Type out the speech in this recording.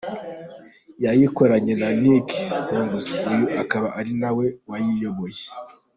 Yayikoranye na Nick Hughes, uyu akaba ari na we wayiyoboye.